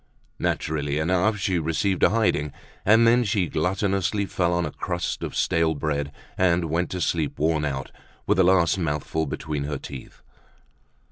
Naturally enough she received a hiding, and then she gluttonously fell on a crust of stale bread and went to sleep, worn out, with the last mouthful between her teeth.